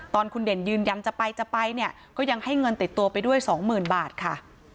ตอนคุณเด่นยืนยันจะไปจะไปเนี่ยก็ยังให้เงินติดตัวไปด้วยสองหมื่นบาทค่ะ